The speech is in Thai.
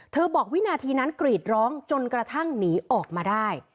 บอกวินาทีนั้นกรีดร้องจนกระทั่งหนีออกมาได้